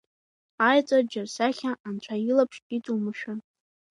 Аеҵәа џьарсахьа анцәа илаԥш иҵумыршәан.